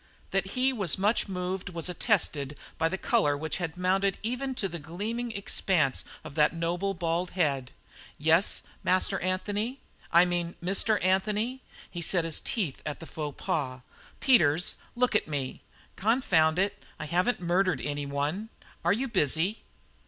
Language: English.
That he was much moved was attested by the colour which had mounted even to the gleaming expanse of that nobly bald head. "Yes, Master Anthony I mean Mr. Anthony?" He set his teeth at the faux pas. "Peters, look at me. Confound it, I haven't murdered any one. Are you busy?"